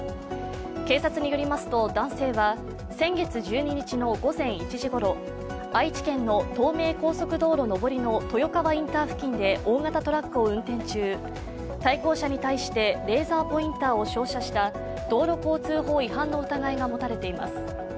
警察によりますと男性は先月１２日の午前１時ごろ愛知県の東名高速道路上りの豊川インター付近で大型トラックを運転中対向車に対してレーザーポインターを照射した道路交通法違反の疑いが持たれています。